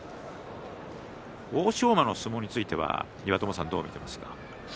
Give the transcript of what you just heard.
欧勝馬の相撲については岩友さんはどう見ていますか？